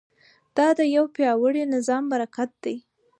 دا د یو پیاوړي نظام برکت دی.